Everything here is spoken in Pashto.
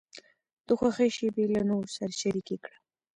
د خوښۍ شیبې له نورو سره شریکې کړه.